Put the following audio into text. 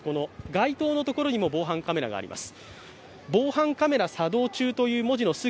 街灯のところにも防犯カメラがあります。